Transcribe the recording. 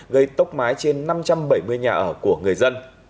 gây tốc mái trên năm trăm bảy mươi nhà ở của người dân